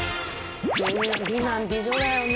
みんな美男美女だよね。